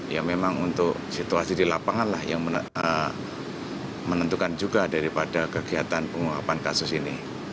ya memang untuk situasi di lapangan lah yang menentukan juga daripada kegiatan pengungkapan kasus ini